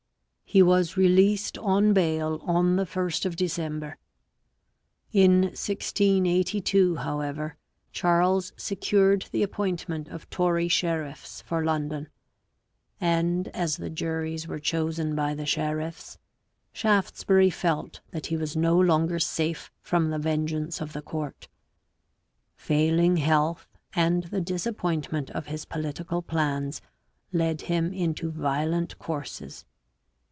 He was released on bail on the 1st of December. In 1682, however, Charles secured the appoint ment of Tory sheriffs for London; and, as the juries were chosen by the sheriffs, Shaftesbury felt that he was no longer safe from the vengeance of the court. Failing health and the disappoint ment of his political plans led him into violent courses.